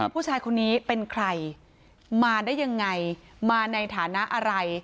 ผู้ชายคนนี้เป็นใครมาได้ยังไงมาในฐานะอะไร